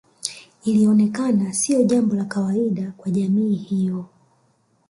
Ilionekana sio jambo la kawaida kwa jamii hiyo